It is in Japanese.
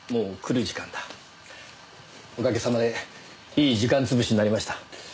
おかげさまでいい時間潰しになりました。